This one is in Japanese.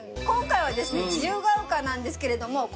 今回はですね自由が丘なんですけれども。